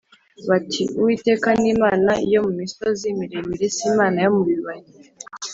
bati ‘Uwiteka ni imana yo mu misozi miremire si imana yo mu bibaya